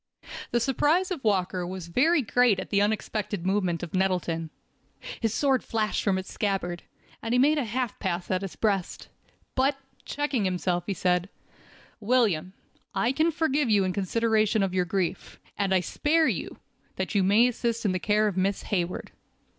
_ THE surprise of Walker was very great at the unexpected movement of Nettleton. His sword flashed from its scabbard, and he made a half pass at his breast. But, checking himself, he said: "William, I can forgive you in consideration of your grief, and I spare you, that you may assist in the care of Miss Hayward.